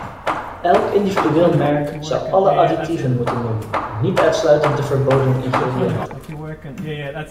Elk individueel merk zou alle additieven moeten noemen en niet uitsluitend de verboden ingrediënten.